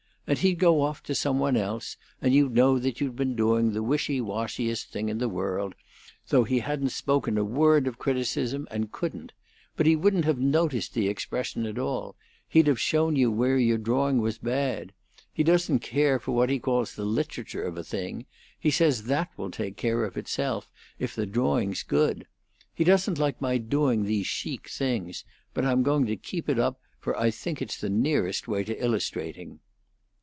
And he'd go off to some one else, and you'd know that you'd been doing the wishy washiest thing in the world, though he hadn't spoken a word of criticism, and couldn't. But he wouldn't have noticed the expression at all; he'd have shown you where your drawing was bad. He doesn't care for what he calls the literature of a thing; he says that will take care of itself if the drawing's good. He doesn't like my doing these chic things; but I'm going to keep it up, for I think it's the nearest way to illustrating."